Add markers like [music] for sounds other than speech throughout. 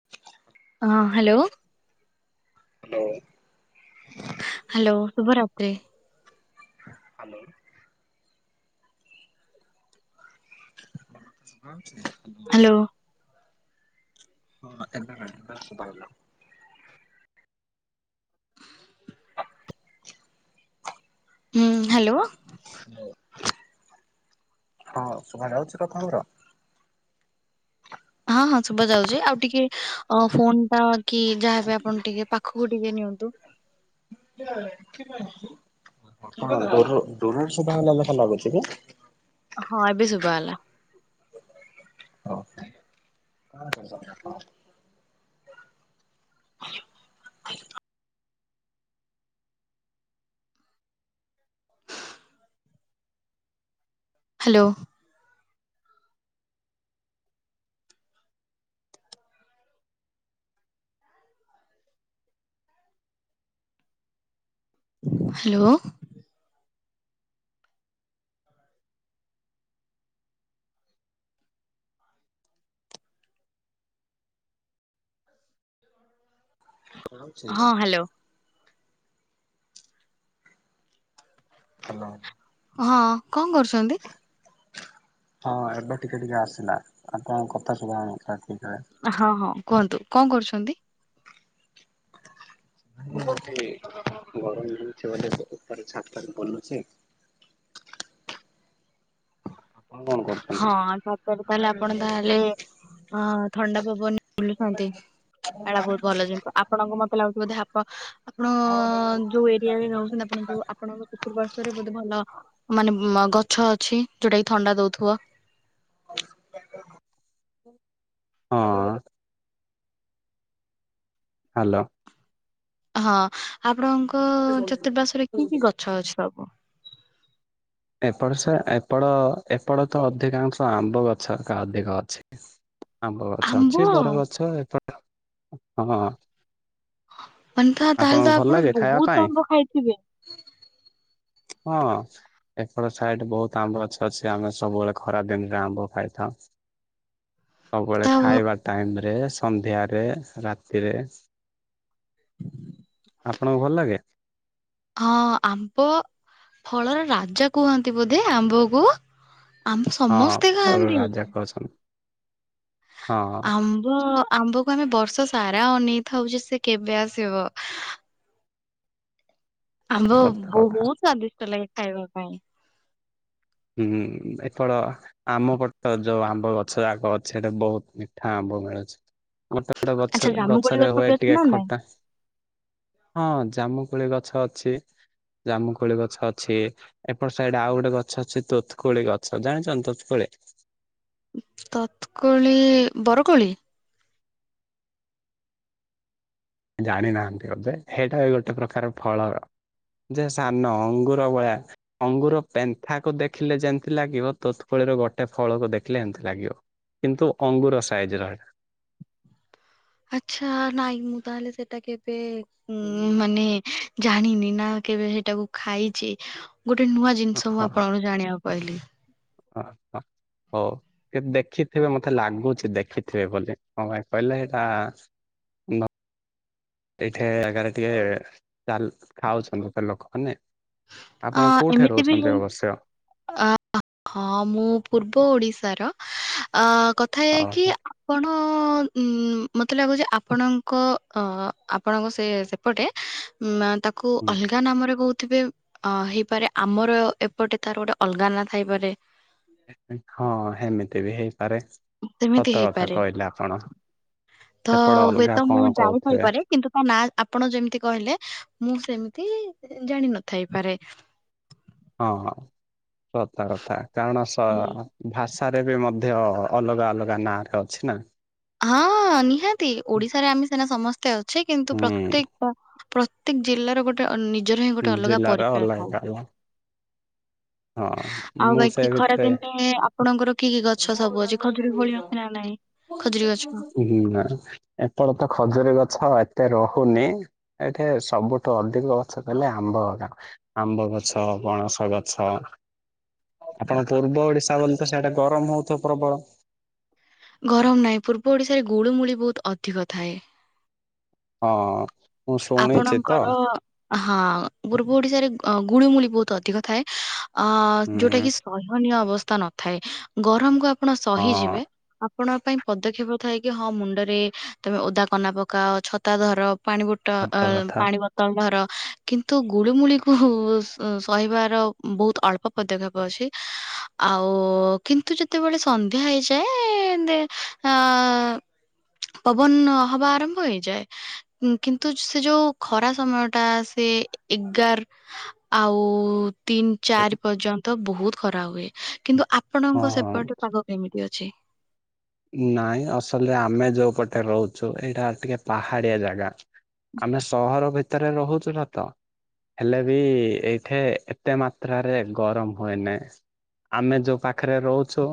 [inaudible] ହଁ hello. Hello. Hello ଶୁଭ ରାତ୍ରୀ। ହାଲୋ। [inaudible] ହ୍ୟାଲୋ। [unintelligible] ହୁଁ ହ୍ୟାଲୋ। ହ ହଁ ଶଭ ଯାଉଛି କଥାବର। ହଁ ହଁ ଶୁଭା ଯାଉଛି ଆଉ ଟିକେ ଅ ଫୋନ ଟା କି ଯାହାବି ଆପଣ ଟିକେ ପାଖକୁ ଟିକେ ନିଅନ୍ତୁ। ଦ ଦରରୁ ସା ହେଲା ଦେଖା ଲାଗୁଛି କି? ହଁ ଏବେ ଶୁଭା ହେଲା। [inaudible] ହ୍ୟାଲୋ। ହ୍ୟାଲୋ। ହଁ। ହଁ ହ୍ୟାଲୋ। ହଲୋ। ହଁ କଣ କରୁଛନ୍ତି? ହଁ ଏବେ ଟିକେ ଟିକେ ଆସିଲା ଆପଣଙ୍କ କଥା ସୁଭାଉନଥିଲା ଠିକରେ। ହଁ ହଁ କୁହନ୍ତୁ କଣ କରୁଛନ୍ତି? [inaudible] [unintelligible] ହଁ ସତ ରେ କହିଲେ ଆପଣ ତାହେଲେ ଅ ଥଣ୍ଡା ପବନ ବୁଲୁଛନ୍ତି। ଏଇଟା ବହୁତ ଭଲ ଜିନ୍ତୁ ଆପଣଙ୍କୁ ମତେ ଲାଗୁଛି ବୋଧେ ହପ ଆପଣ ଯୋଉ ଏରିଆରେ ନେଉଛନ୍ତି ଆପଣ ଯୋଉ ଆପଣଙ୍କ ପିତ ପାର୍ଶଵରେ ବହୁତ ଭଲ ମାନେ ଗଛ ଅଛି ଯୋଉଟା କି ଥଣ୍ଡା ଦଉଥିବ। ହଁ। ହ୍ୟାଲୋ। ହଁ ଆପଣଙ୍କ ଚତୁପାର୍ଶ୍ଵ ରେ କି କି ଗଛ ଅଛି ସବୁ। ଏପଟ ସେ ଏପଟ ଏପଟ ତ ଅଧିକାଂଶ ଆମ୍ବ ଗଛକା ଅଧିକ ଅଛି। ଆମ୍ବ ଗଛ ଅଛି ବରଗଛ ଏପଟ ହଁ। ମାନ ତ ତାହେଲେ ଆପଣଙ୍କୁ ତ ଭଲ ଆପଣ ଲାଗେ ଖାଇବା ବହୁତ ପାଇଁ? ଆମ୍ବ ଖାଇଥିବେ। ହଁ। ଏପଟ ସାଇଡ ବହୁତ ଆମ୍ବ ଗଛ ଅଛି ଆମେ ସବୁବେଳେ ଖରାପ ଦିନରେ ଆମ୍ବ ଖାଇଥାଉ। ସବୁବେଳେ ତା ହଁ ଖାଇବା ଟାଇମରେ ସନ୍ଧ୍ୟାରେ ରାତିରେ। ଆପଣଙ୍କୁ ଭଲ ଲାଗେ। ହଁ ଆମ୍ବ ଫଳର ରାଜା କୁହନ୍ତି ବୋଧେ ଆମ୍ବ କୁ। ଆମେ ହଁ ସମସ୍ତେ ଫଳ ଖାଆନ୍ତି। ରାଜା କହୁଛନ୍ତି ହଁ ଆମ୍ବ ଆମ୍ବକୁ ଆମେ ବର୍ଷ ସାରା ଅନେଇଥାଉଛ ସେ କେବେ ଆସିବ? ଆମ୍ବ ସତ କଥା ବହୁତ ସ୍ଵାଦିଷ୍ଟ ଲାଗେ ଖାଇବା ପାଇଁ। ହୁଁ ଏଫଳ ଆମ ପଟ ଯୋଉ ଆମ୍ବ ଗଛ ଯାକ ଅଛି ସେଟା ବହୁତ ମିଠା ଆମ୍ବ ମିଳୁଛି ଗୋଟେ ଗୋଟେ ଆଚ୍ଛା ବଛର ଜାମୁକୋଳି ଗଛରେ ଗଛ ବି ହୁଏ ଅଛି ଟିକେ ନା ନାଇଁ? ଖରଟା। ହଁ ଜାମୁକୁଳି ଗଛ ଅଛି। ଜାମୁକୋଳି ଗଛ ଅଛି ଏପଟ ସାଇଡ ଆଉ ଗୋଟେ ଗଛ ଅଛି ତୋତ୍କୁଳି ଗଛ ଜାଣିଛ ତୋତ୍କୁଳି। ତତ୍କୋଳି ବରକୋଳି। ଜାଣିନାହାନ୍ତି ଏଧ ସେଇଟା ବି ଗୋଟେ ପ୍ରକାର ଫଳର ଯେ ସାନ ଅଙ୍ଗୁର ଭଳିଆ। ଅଙ୍ଗୁର ପେନ୍ଥାକୁ ଦେଖିଲେ ଯେମିତି ଲାଗିବ ତୋତ୍ଫଳୀର ଗୋଟେ ଫଳକୁ ଦେଖିଲେ ଏମତି ଲାଗିବ। କିନ୍ତୁ ଅଙ୍ଗୁର ସାଇଜ ର ଏଇଟା। ଆଚ୍ଛା ନାଇଁ ମୁଁ ତାହେଲେ ସେଟା କେବେ ଉ ମାନେ ଜାଣିନି ନା କେବେ ସେଇଟାକୁ ଖାଇଛି ଗୋଟେ ନୂଆ ଜିନିଷ ମୁଁ ଆପଣଙ୍କୁ ଜାଣିବାକୁ ପାଇଲିି। ହ ହ। ହଉ ଦେଖିଥିବେ ମତେ ଲାଗୁଛି। ଦେଖିଥିବେ ବୋଲି ହଁ ଭାଇ କହିଲେ ସେଇଟା ଏଇଠି ଆଗାରେ ଟିକେ ଚାଲ ଖାଉଛନ୍ତି ଲୋକମାନେ। ଅ ଆପଣ କୋଉଠେ ଏମିତି ବି ରହୁଛନ୍ତି ହେଇ ଅବଶ୍ୟ ହଁ ମୁଁ ପୂର୍ବ ଓଡିଶାର। କଥା ଏହା କି ଓହୋ ଆପଣ ଉଁ ମତେ ଲାଗୁଛି ଆପଣଙ୍କ ଅ ଆପଣଙ୍କ ସେ ସେପଟେ ତାକୁ ହୁଁ। ଅଲଗା ନାମରେ କହୁଥିବେ ଅ ହେଇପାରେ ଆମର ଏପଟେ ତାର ଗୋଟେ ଅଲଗା ନା ଥାଇପାରେ। ହଁ ହେମିତି ବି ହେଇପାରେ। ସେମିତି ସତ କଥା ହେଇପାରେ। କହିଲେ ଆପଣ। ତ ସେପଟ ଅଲଗା ହୁଏତ ମୁଁ କଣ ଜାଣି କହୁଥିବେ ଥାଇପାରେ। କିନ୍ତୁ ନା ଆପଣ ଯେମିତି କହିଲେ ମୁଁ ସେମିତି ଜାଣ ନଥାଇପାରେ। ହଁ ହଁ ସଥା କଥା। କାରଣ ସ ହୁଁ। ଭାଷାରେ ବି ମଧ୍ୟ ଅଲଗା ଅଲଗା ନାଁରେ ଅଛି ନା। ହଁ ନିହାତି ଓଡିଶାରେ ଆମେ ସିନା ସମସ୍ତେ ଅଛେ। କିନ୍ତୁ ହୁଁ ପ୍ରତ୍ୟେକ ପ୍ରତ୍ୟେକ ଜିଲ୍ଲାର ଗୋଟେ ନିଜର ହିଁ ଗୋଟେ ଅଲଗା ଜିଲ୍ଲାର ପରିଚୟ ଥାଏ। ଅଲଗା ଅଲଗା ହଁ ଆଉ ମୁଁ ସେ ବାକି ଖରା ଭିତରେ ଦିନେ ଆପଣଙ୍କର କି କି ଗଛ ସବୁ ଅଛି ଖଜୁରୀ କୋଳି ଅଛି ନା ନାଇଁ? ଖଜୁରୀ ଗଛ ହୁଁ ଏପଳ ତ ଖଜୁରୀ ଗଛ ଏତେ ରହୁନି। ଏଠି ସବୁଠୁ ଅଧିକ ଗଛ ଦେଲେ ଆମ୍ବ ହଗା ଆମ୍ବ ଗଛ ପଣସ ଗଛ। ଆଛ ଆପଣ ପୂର୍ବ ଓଡିଶା ବୋଲି ତ ସେଇଟା ଗରମ ହଉଥିବ ପ୍ରବଳ। ଗରମ ନାହିଁ ପୂର୍ବ ଓଡିଶାରେ ଗୁଳୁମୁଳି ବହୁତ ଅଧିକ ଥାଏ। ହଁ ମୁଁ ଶୁଣିଛି ତ। ଆପଣଙ୍କର ହଁ ପୂର୍ବ ଓଡିଶାରେ ଗୁଳିମୁଳି ବହୁତ ଅଧିକ ଥାଏ। ଅ ଯୋଉଟା ହୁଁ କିି ସୟନୀୟ ଅବସ୍ଥା ନଥାଏ। ଗରମ କୁ ଆପଣ ହଁ ସହିଯିବେ। ଆପଣଙ୍କ ପାଇଁ ପଦକ୍ଷେପ ଥାଏ କି ହଁ ମୁଣ୍ଡରେ ତମେ ଓଦା କନା ପକାଅ। ଛତା ଧର। ପାଣି ବୋ ତ ସତ ଅ କଥା। ପାଣି ଳର କିନ୍ତୁ ଗୁଳିମୁଳିକୁ ସହିବାର ବହୁତ ଅଳ୍ପ ପଦକ୍ଷେପ ଅଛି। ଆଉ କିନ୍ତୁ ଯେତେବେଳେ ସନ୍ଧ୍ୟା ହେଇଯାଏ। ଅ ପବନ ହବା ଆରମ୍ଭ ହେଇଯାଏ। ଉଁ, କିନ୍ତୁ ସେ ଯୋଉ ଖରା ସମୟଟା ସେ ଏଗାର ଆଉ ତିନ୍ ଚାରି ପର୍ଯ୍ୟନ୍ତ ବହୁତ ଖରା ହୁଏ। କିନ୍ତୁ ଆପଣଙ୍କ ହଁ ସେପଟେ ପାଗ ସେମିତି ଅଛି। ନାଇଁ ଅସଲରେ ଆମେ ଯୋଉ ପଟେ ରହୁଛୁ। ଏଇଟା ଟିକେ ପାହାଡିଆ ଜାଗା। ଆମେ ସହର ଭିତରେ ରହୁଛୁ ସତ। ହେଲେ ବି ଏଇଠି ଏତେ ମାତ୍ରାରେ ଗରମ ହୁଏନି। ଆମେ ଯୋଉ ପାଖରେ ରହୁଛୁ।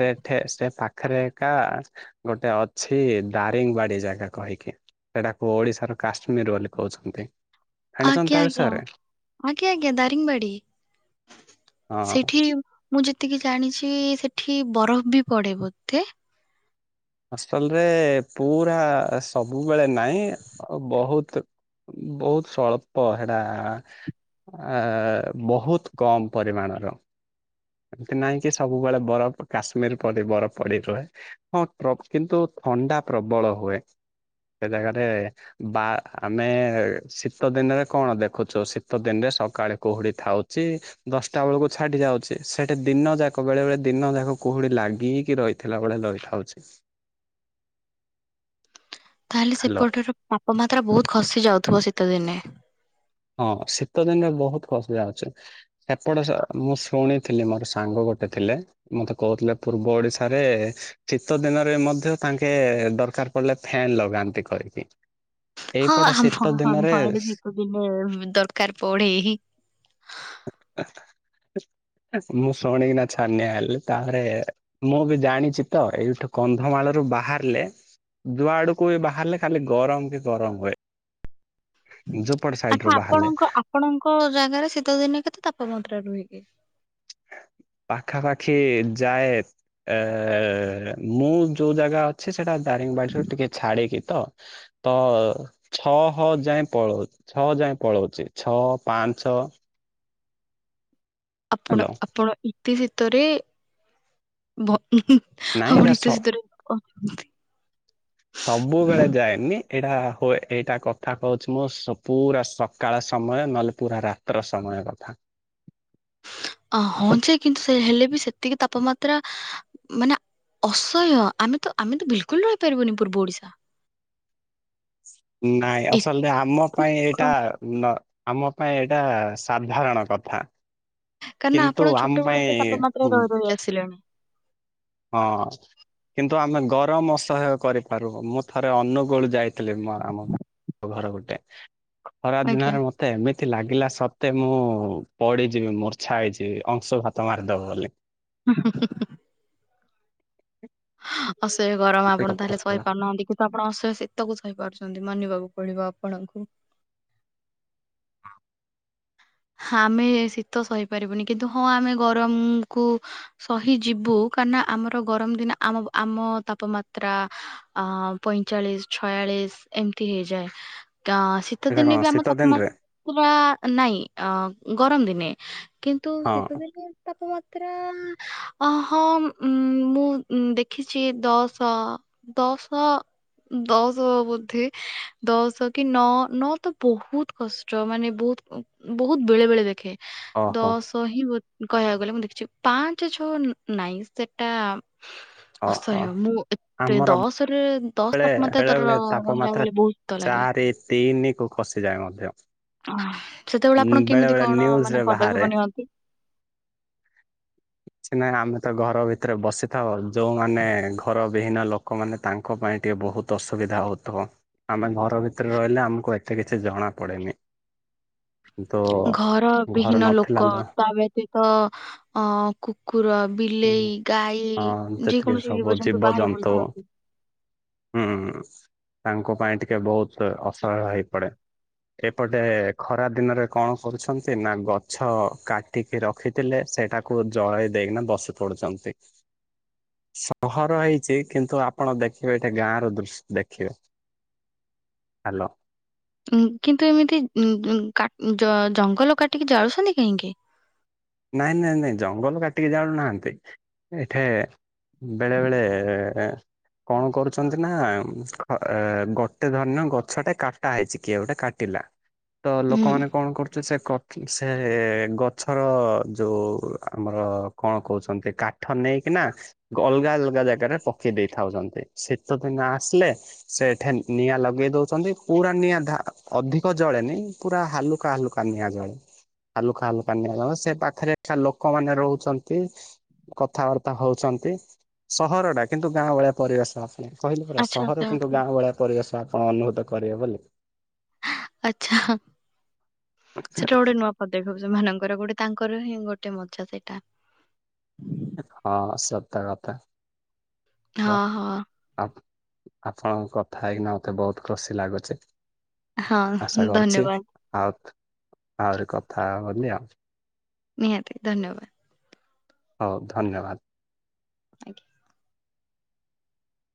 ସେଠେ ସେ ପାଖେରେ କା ଗୋଟେ ଅଛି ଦାରିଙ୍ଗବାଡି ଜାଗା କହିକି। ସେଇଟାକୁ ଓଡିଶାର କାଶ୍ମୀର ବୋଲି କହୁଛନ୍ତି। ଜାଣିଛନ୍ତି ଆଜ୍ଞା ତା ଆଜ୍ଞା ବିଷୟରେ? ଆଜ୍ଞା ଆଜ୍ଞା ଦାରିଙ୍ଗବାଡି। ହଁ ସେଠି ମୁଁ ଯେତିକି ଜାଣିଛି ସେଠି ବରଫ ବି ପଡେ ବୋତେ। ହଷ୍ଟେଲ ରେ ପୁରା ସବୁବେଳେ ନାହିଁ। ବହୁତ ବହୁତ ସଳ୍ପ ହେଟା। ଆ ବହୁତ କମ ପରିମାଣର। ଏମତି ନାଇଁ କି ସବୁବେଳେ ବରଫ କାଶ୍ମୀର ପଡି ବରଫ ପଡି ରୁହେ। ହଁ କିନ୍ତୁ ଥଣ୍ଡା ପ୍ରବଳ ହୁଏ। ସେ ଜାଗାରେ ବା ଆମେ ଶୀତ ଦିନରେ କଣ ଦେଖୁଛୁ? ଶୀତ ଦିନରେ ସକାଳେ କୁହୁଡି ଥାଉଛି। ଦଶଟା ବେଳକୁ ଛାଡି ଯାଉଛି। ସେଟା ଦିନ ଯାକ ବେଳେ ବେଳେ ଦିନ ଯାକ କୁହୁଡି ଲାଗିକି ରହିଥିଲା ବେଳେ ରହିଥାଉଛି। [inaudible] ତାହେଲେ ହ୍ୟାଲୋ ସେପଟର ତାପମାତ୍ରା ବହୁତ ଖସି ଯାଉଥିବ ଶୀତ ଦିନେ। ହଁ ଶୀତ ଦିନେ ବହୁତ [unintelligible] ଏପଟେ ସ ମୁଁ ଶୁଣିଥିଲି ମୋର ସାଙ୍ଗ ଗୋଟେ ଥିଲେ। ମତେ କଉଥିଲେ ପୂର୍ବ ଓଡିଶାରେ ଶୀତ ଦିନରେ ମଧ୍ୟ ତାଙ୍କେ ଦରକାର। କଇଲା ଫ୍ୟାନ୍ ଲଗାନ୍ତି କରିକି। ହଁ ଆମ ଆମ ଆଡେ ଶୀତ ଦିନେ ଦରକାର ପଡେ ହିଁ। ମୁଁ ଶୁଣିକିନା ଛାନିଆ ହେଲି ତାପରେ ମୁଁ ବି ଜାଣିଛି ତ ଏଇଠୁ କନ୍ଧମାଳରୁୁ ବାହାରିଲେ ଜୁଆଡୁକୁ ବାହାରିଲେ ଖାଲି ଗରମ ହି ଗରମ ହୁଏ। ଯୋଉପଟ ସାଇଟ୍ ଆଚ୍ଛା ରୁ ବାହାରିଲେ। ଆପଣଙ୍କ ଆପଣଙ୍କ ଜାଗାରେ ଶୀତ ଦିନେ କେତେ ତାପମାତ୍ରା ରୁହେ କି? ପାଖାପାଖି ଯାଏ ଏ ମୁଁ ଯୋଉ ଜାଗା ଛି ସେଟା ଦାରିଙ୍ଗ ବାଡ଼ିରୁ ଟିକେ ଛାଡିକି ତ ତ ଛଅ ହ ଯାଏଁ ପଳଉ ଛଅ ଯାଏଁ ପଳଉଚି ଛଅ ପାଞ୍ଚ। ଆପଣ ହ୍ୟାଲୋ ଆପଣ ଇତି ଶୀତରେ ଭ ହୁଁ ହୁଁ। ନାଇଁ ଏଟା ସ ସବୁବେଳେ ଯାଏନି ଏଇଟା ହୁଏ ଏଇଟା କଥା କହୁଚି ମୁଁ ସ ପୁରା କାଳ ସମୟ ନହେଲେ ପୁରା ରାତ୍ର ସମୟ କଥା। ହଁ ଯେ କିନ୍ତୁ ସେ ହେଲେ ବି ସେତିକି ତାପମାତ୍ରା ମାନେ ଅସହ୍ୟ ଆମେ ତ ଆମେ ତ ବିଲକୁଲ ରହିପାରିବୁନି ପୂର୍ବ ଓଡିଶା। ନାଇଁ ଏ- ଆସଲରେ ଆମ ପାଇଁ ଏଇଟା ନ ଆମ ପାଇଁ ଏଇଟା ସାଧାରଣ କଥା। କାରଣ କିନ୍ତୁ ଆମ ପାଇଁ ହୁଁ। ସିଲଣି ହଁ। କିନ୍ତୁ ଆମେ ଗରମ ଅସହୟ କରିପାରୁ ମୁଁ ଥରେ ଅନୁଗୁଳ ଯାଇଥିଲି ଆମ ଭା ଘର ଗୋଟେ ଖରା ଆଜ୍ଞା ଦିନରେ ମ ତେ ଏମିତି ଲାଗିଲା ସତେ ମୁଁ ପଡିଯିବି ମୂର୍ଚ୍ଛା ହେଇଯିବି ଅଂଶୁଘାତ ମାରିଦବ ବୋଲି। ହୁଁ ହୁଁ ହୁଁ। ଅସହ୍ୟ ଗରମ ଏତେ ଆପଣ କଥା ତାହେଲେ ଥିଲା ସହିପାରୁନାହାନ୍ତି। ଆପଣ ଅସହାୟ ଶୀତକୁ ସାଇପାରୁଛନ୍ତି ମାନିବାକୁ ପଡିବ ଆପଣଙ୍କୁ। ଆମେ ଶୀତ ସହିପାରିବୁନି କିନ୍ତୁ ହଁ ଆମେ ଗରମକୁୁ ସହି ଯିବୁ କାହିଁନା ଆମର ଗରମ ଦିନ ଆମ ଆମ ତାପମାତ୍ରା ଅ ପଇଁଚାଳିଶ ଛୟାଳିଶ ଏମିତି ହେଇଯାଏ ତ ଶୀ ତ ଏଇଟା କଣ ଦିନେ ବି ଆମ ଶୀତ ତାପମା ଦିନରେ ତ୍ରା ନାଇଁ ଅ ଗରମ ଦିନେ କିନ୍ତୁ ହଁ ଶୀତଦିନେ ତାପମାତ୍ରା ଅ ହଁ ଉ ମୁଁ ଦେଖିଛି ଦଶ ଦଶ ଦଶ ବୋଧେ ଦଶ କି ନ ନଅ ତ ବହୁତ କଷ୍ଟ ମାନେ ବହୁତ ବହୁତ ବେଳେ ବେଳେ ଦେଖେ ଓହୋ ଦଶ କହି ବୋ କହିବାକୁ ଗଲେ ମୁଁ ଦେଖିଚି ପାଞ୍ଚ ଛଅ ନାଇଁ ସେଟା ଓହୋ ଅସହ୍ୟ ମୁଁ ଏତେ ଆମର ଦଶରେ ଦଶ ବେଳେ ତାପମାତ୍ରା ବେଳେ ତୋର ବେଳେ ରହିଲା ତାପମାତ୍ରା ବେଳେ ବହୁତ ଶୀତ ଲାଗେ। ଚାରି ତିନି କୁ ଖସି ଯାଏ ମଧ୍ୟ। ଅ ସେତବେଳେ ଆପଣ ବେଳେ କେମିତି ବେଳେ କଣ ନ୍ୟୁଜରେ ମାନେ ବାହାରେ। ପଦକ୍ଷେପ ନିଅନ୍ତି? କିଛି ନାହିଁ ଆମେ ତ ଘର ଭିତରେ ବସିଥାଉ। ଯୋଉମାନେ ଘର ବିହୀନ ଲୋ ଲୋକମାନେ ତାଙ୍କ ପାଇଁ ଟିକେ ବହୁତ ଅସୁବିଧା ହଉଥୁବ। ଆମେ ଘର ଭିତରେ ରହିଲେ ଆମକୁ ଏତେ କିଛି ଜଣା ପଡେନି। କିନ୍ତୁ ଘର ଘର ବିହୀନ ନଥିଲା ଲୋକ ତ ତା ବ୍ୟତୀତ ଅ କୁକୁର ବିଲେଇ, ହଁ ଗାଈ ଯେ ଯେତିକି କୌଣସି ସବୁ ଜୀବଜନ୍ତୁ ବାହାରେ ବୁଲୁଥାନ୍ତି। ହୁଁ ତାଙ୍କ ପାଇଁ ଟିକେ ବହୁତ ଅସହାୟ ହେଇପଡେ। ଏପଟେ ଖରା ଦିନରେ କଣ କରୁଛନ୍ତି ନା ଗଛ କାଟି ସେ ରଖିଥିଲେ ସେଇଟାକୁ ଜଳେଇ ଦେଇକିନା ବସି ପଡୁଛନ୍ତି। ସହର ହେଇଛି କିନ୍ତୁ ଆପଣ ଦେଖିବେ ଏଠି ଗାଁ ର ଦୃଶ ଦେଖିବେ। ହାଲୋ। କିନ୍ତୁ ଏମିତି ଉଁ ଉଁ କା ଜ ଜ ଜଙ୍ଗଲ କାଟିକି ଜାଳୁଛନ୍ତି କାହିଁକି? ନାଇଁ ନାଇଁ ନାଇଁ ଜଙ୍ଗଲ କାଟିକି ଜାଳୁନାହାନ୍ତି ଏଠେ ବେଳେ ବେଳେ କଣ କରୁଛନ୍ତି ନାଁ ଏ ଗୋଟେ ଧରିନିଅ ଗଛଟେ କାଟୁ ଟା ହେଇଚି କିଏ ଗୋଟେ କାଟିଲା। ତ ହୁଁ ଲୋକମାନେ କଣ କରୁଛୁ ସେ କ ସେ ଗଛର ଯୋଉ ଆମର କଣ କହୁଛନ୍ତି କାଠ ନେଇକିନା ଅଲଗା ଅଲଗା ଜାଗାରେ ପକେଇ ଦେଇଥାଉଛନ୍ତି, ଶୀତଦିନ ଆସିଲେ ସେଠେ ନିଆଁ ଲଗେଇ ଦଉଛନ୍ତି, ପୁରା ନିଆଁ ଧା ଅଧିକ ଜଳେନି। ପୁରା ହାଲୁକା ହାଲୁକା ନିଆଁ ଜଳେ ହାଲୁକା ହାଲୁକା ନିଆଁ ଜଳେ ସେ ପାଖ [unintelligible] ଲୋକମାନେ ରହୁଛନ୍ତି। କଥାବାର୍ତ୍ତା ହଉଛନ୍ତି, ସହର ଟା କିନ୍ତୁ ଗାଁ ପରିବେଶ। କହିଲି ପରା ଆଚ୍ଛା ଆଚ୍ଛା ସହର କିନ୍ତୁ ଆଚ୍ଛା। ଗାଁ ଭଳିଆ ପରିବେଶ ଆପଣ ଅନୁଭୂତ କରିବେ ବୋଲି। ଆଛା ସେଟା ଗୋଟେ ନୁଆ [unintelligible] ସେ ମାନଙ୍କର ଗୋଟେ ତାଙ୍କର ହିଁ ଗୋଟେ ମଜା ସେଟା। ହଁ ସତ କଥା ମୁଁ ହଁ ହଁ ଆପ ଆପଣଙ୍କ କଥା ହେଇକିନା ମତେ ବହୁତ୍ ଖୁସି ଲାଗୁଚି। ଆଶା ହଁ କରୁଛି ଧନ୍ୟବାଦ ଆଉ ଆହୁରି କଥା ହବ ବୋଲି ଆଉ। ନିହାତି ଧନ୍ୟବାଦ୍। ହଉ ଧନ୍ୟବାଦ୍। ଆଜ୍ଞା।